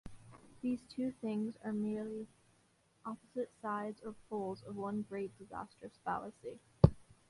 These two things are merely opposite sides or poles of one great disastrous fallacy.